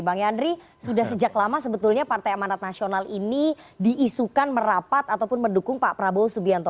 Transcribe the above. bang yandri sudah sejak lama sebetulnya partai amanat nasional ini diisukan merapat ataupun mendukung pak prabowo subianto